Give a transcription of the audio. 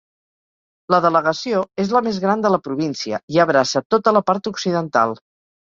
La delegació és la més gran de la província i abraça tota la part occidental.